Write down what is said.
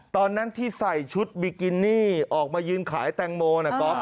ตอนนั้นที่ใส่ชุดบิกินี่ออกมายืนขายแตงโมนะก๊อฟ